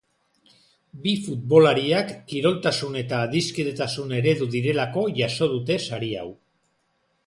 Bi futbolariak kiroltasun eta adiskidetasun eredu direlako jaso dute sari hau.